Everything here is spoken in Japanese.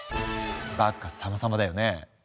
バッカスさまさまだよね。